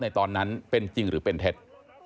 ตอนนั้นเป็นจริงหรือเป็นเท็จ